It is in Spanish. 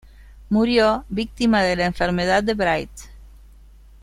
Murió víctima de la enfermedad de Bright.